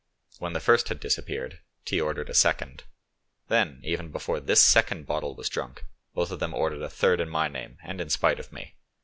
When the first had disappeared, T. ordered a second; then, even before this second battle was drunk, both of them ordered a third in my name and in spite of me.